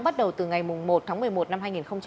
bắt đầu từ ngày một tháng một mươi một năm hai nghìn hai mươi